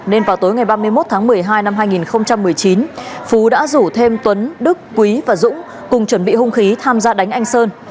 nên vào tối ngày ba mươi một tháng một mươi hai năm hai nghìn một mươi chín phú đã rủ thêm tuấn đức quý và dũng cùng chuẩn bị hung khí tham gia đánh anh sơn